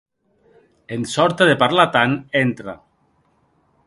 En sòrta de parlar tant, entra.